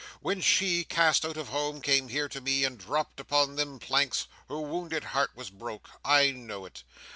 When she, cast out of home, come here to me, and dropped upon them planks, her wownded heart was broke. I know it.